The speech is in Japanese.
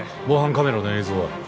防犯カメラの映像は？